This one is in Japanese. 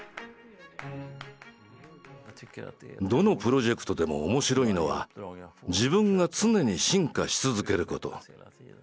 どのプロジェクトでも面白いのは自分が常に進化し続けること。